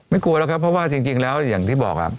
ไม่กลัวแล้วครับเพราะว่าจริงจริงแล้วอย่างที่บอกอ่ะ